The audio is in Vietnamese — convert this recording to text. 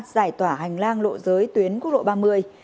giải tỏa hành lang lộ giới tuyến quốc lộ ba mươi